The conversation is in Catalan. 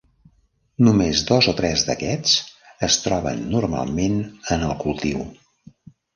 Només dos o tres d'aquests es troben normalment en el cultiu.